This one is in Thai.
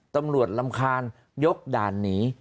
ตำรวจรำคาญยกด่านหนี